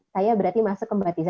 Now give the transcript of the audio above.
saya berarti masuk ke mbak tiza